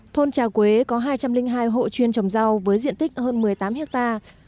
thôn trà quế có hai trăm linh hai hộ chuyên trồng rau với diện tích hơn một mươi tám hectare